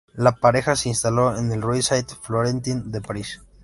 La pareja se instaló en la rue Saint-Florentin de Paris.